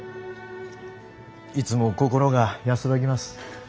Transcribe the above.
いつも心が安らぎます。